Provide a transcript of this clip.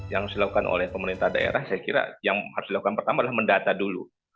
yang harus dilakukan oleh pemerintah daerah saya kira yang harus dilakukan pertama adalah mendata dulu